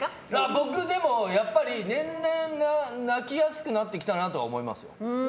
僕、やっぱり年々泣きやすくなってきたなと思いますよ。